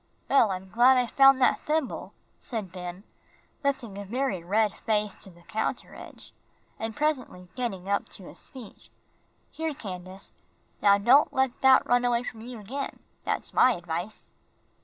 "Well, I'm glad I found that thimble," said Ben, lifting a very red face to the counter edge, and presently getting up to his feet. "Here, Candace, now don't let that run away from you again, that's my advice."